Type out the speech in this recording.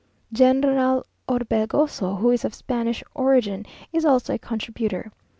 General Orbegoso, who is of Spanish origin, is also a contributor.